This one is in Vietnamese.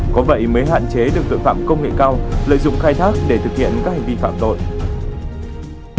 có vậy mới hạn chế được tội phạm công nghệ cao lợi dụng khai thác để thực hiện các hành vi phạm tội